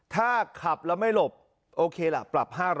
ถ้าขับแล้วไม่หลบโอเคล่ะปรับ๕๐๐